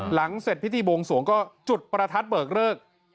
หลังเสร็จพิธีบวงสวงก็จุดประทัดเบิกเลิก